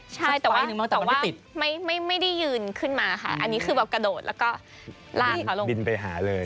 ใช่แต่ว่าไม่ได้ยืนขึ้นมาค่ะอันนี้คือแบบกระโดดแล้วก็ลากเขาลงบินไปหาเลย